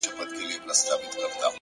ستـا د سونډو رنگ’